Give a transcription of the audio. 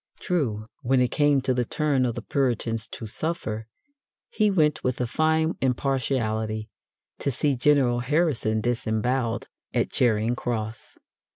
True, when it came to the turn of the Puritans to suffer, he went, with a fine impartiality, to see General Harrison disembowelled at Charing Cross.